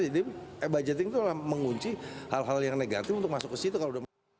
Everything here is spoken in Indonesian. jadi e budgeting itu mengunci hal hal yang negatif untuk masuk ke situ